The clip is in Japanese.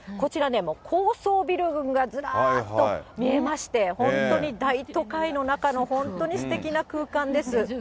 こちらね、もう高層ビル群がずらーっと見えまして、本当に大都会の中の本当にすてきな空間です。